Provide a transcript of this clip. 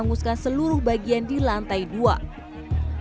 api kedua penyelamatan kemudian disambungkan dengan lantai dua rumah